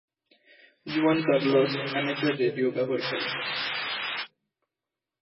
জুয়ান Carlos amateur radio ব্যবহারকারী।